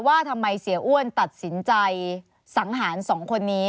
ว่าทำไมเสียอ้วนตัดสินใจสังหารสองคนนี้